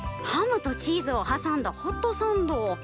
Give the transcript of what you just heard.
ハムとチーズをはさんだホットサンド。